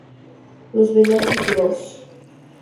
Los "Benassi Bros.